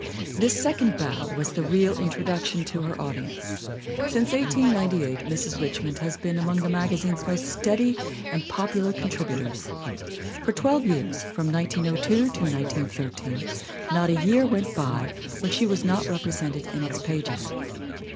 This second bow was the real introduction to her audience. Since 1898 Mrs. Richmond has been among the magazine's most steady and popular contributors. For twelve years, from 1902 to 1913, not a year went by when she was not represented in its pages.